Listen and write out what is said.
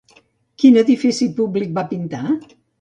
Quin edifici públic va pintar?